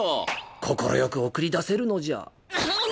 快く送り出せるのじゃ。